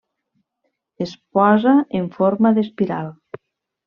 Es posa en forma d'espiral.